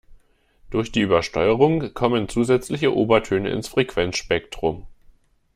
Durch die Übersteuerung kommen zusätzliche Obertöne ins Frequenzspektrum.